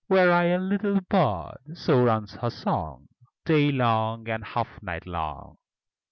"Were I a little bird!" so runs her song, Day long, and half night long.